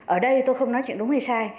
ở đây tôi không nói chuyện đúng hay sai